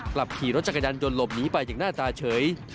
กลับขี่รถจักรยานยนต์หลบหนีไปอย่างหน้าตาเฉย